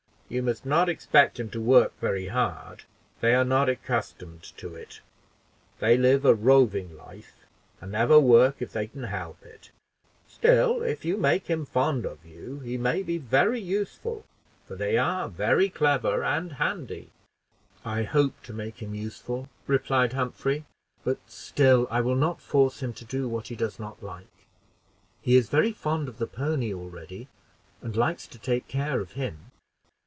You must not expect him to work very hard; they are not accustomed to it. They live a roving and never work if they can help it: still, if you can make him fond of you, he may be very useful, for they are very clever and handy." "I hope to make him useful," replied Humphrey; "but still I will not force him to do what he does not like. He is very fond of the pony already, and likes to take care of him."